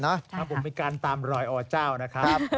ครับคุณมีการตามลอยอ่อเจ้านะครับ